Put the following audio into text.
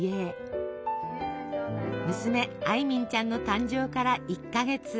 娘艾敏ちゃんの誕生から１か月。